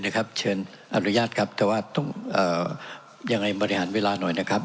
เชิญอนุญาตครับแต่ว่าต้องยังไงบริหารเวลาหน่อยนะครับ